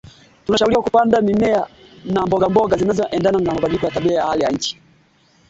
Mbuzi anayeugua upele unaowasha akionekana kupoteza manyoya kuwa na mabaka magumu ngozini